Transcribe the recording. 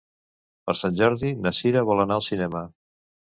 Per Sant Jordi na Sira vol anar al cinema.